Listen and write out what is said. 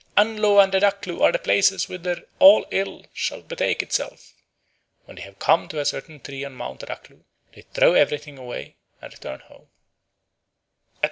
Anlo and Adaklu are the places whither all ill shall betake itself!" When they have come to a certain tree on Mount Adaklu, they throw everything away and return home.